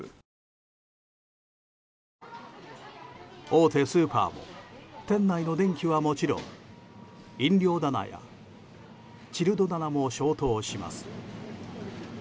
大手スーパーも店内の電気はもちろん飲料棚やチルド棚も消灯します。